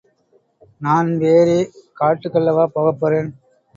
நான் வேறே காட்டுக்கல்லவா போகப்போறேன்.